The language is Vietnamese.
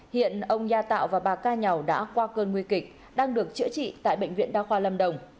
hiện ông nha tạo và bà ca nhau đã qua cơn nguy kịch đang được chữa trị tại bệnh viện đa khoa lâm đồng